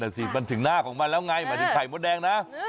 นั่นน่ะสิมันถึงหน้าของมันแล้วไงถึงไขม้วแดงนะ